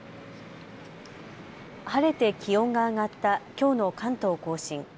晴れて気温が上がったきょうの関東甲信。